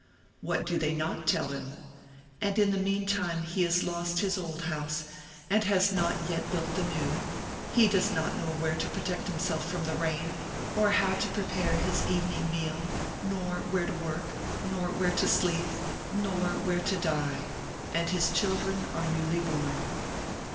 What do they not tell him? And in the meantime he has lost his old house, and has not yet built the new; he does not know where to protect himself from the rain, or how to prepare his evening meal, nor where to work, nor where to sleep, nor where to die; and his children are newly born.